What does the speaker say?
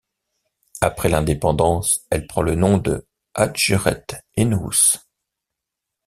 Après l'indépendance, elle prend le nom de Hadjeret Ennous.